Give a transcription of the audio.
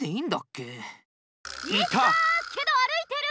けど歩いてる！